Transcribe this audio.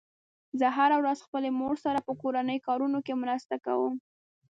زه هره ورځ خپلې مور سره په کورنیو کارونو کې مرسته کوم